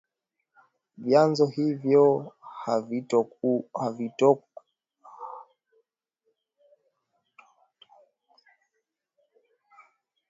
Vyanzo hivyo havikutoa taarifa zaidi juu ya shambulizi